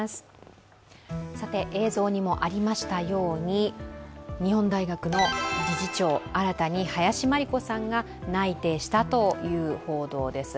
映像にもありましたように、日本大学の理事長、新たに林真理子さんが内定したという報道です。